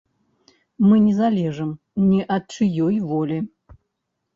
Мы не залежым ні ад чыёй волі.